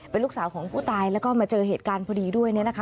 เป็นลูกสาวของผู้ตายแล้วก็มาเจอเหตุการณ์พอดีด้วยเนี่ยนะคะ